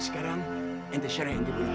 sekarang saya syarahi anda berdua